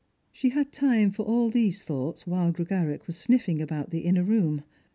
She had time for aU these thoughts while Gregarach was snif fing about the inner room.